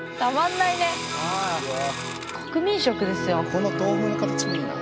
この豆腐の形もいいな。